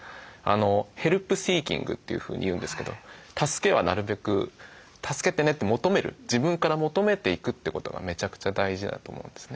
ヘルプシーキングというふうに言うんですけど助けはなるべく「助けてね」って求める自分から求めていくってことがめちゃくちゃ大事だと思うんですね。